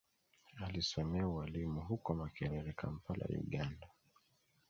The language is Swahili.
Alisomea ualimu huko Makerere Kampala Uganda